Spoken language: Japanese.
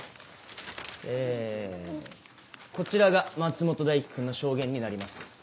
えこちらが松本大希君の証言になります。